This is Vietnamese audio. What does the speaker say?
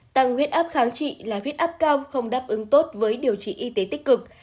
tăng huyết áp kháng trị là huyết áp cao không đáp ứng tốt với điều trị y tế tích cực